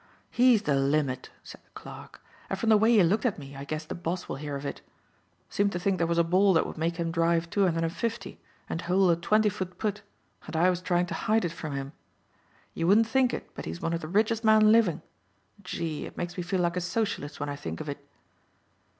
"He's the limit," said the clerk; "and from the way he looked at me I guess the boss will hear of it. Seemed to think there was a ball that would make him drive two hundred and fifty and hole a twenty foot putt and I was trying to hide it from him. You wouldn't think it, but he's one of the richest men living. Gee, it makes me feel like a Socialist when I think of it!"